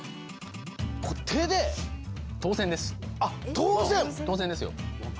当然ですよ。